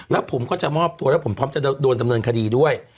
แล้วผมก็จะมอบตัวแล้วผมพร้อมจะโดนดำเนินคดีด้วย